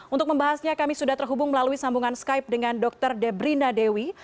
untuk membahasnya kami sudah terhubung melalui sambungan skype dengan dr debrina dewi